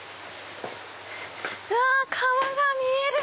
うわ川が見える！